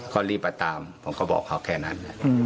ก็รีบมาตามผมก็บอกเขาแค่นั้น